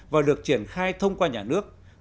và được triển khai thông qua nhà nước